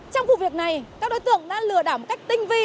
trong vụ việc này các đối tượng đã lừa đảo một cách tinh vi